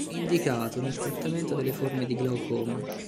Indicato nel trattamento delle forme di glaucoma.